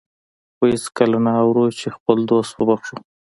خو هېڅکله نه اورو چې خپل دوست وبخښو.